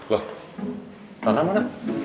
loh rara mana